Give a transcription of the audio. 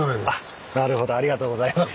なるほどありがとうございます。